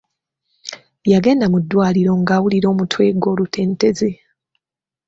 Yagenda mu ddwaliro nga awulira omutwe ogw’olutentezi.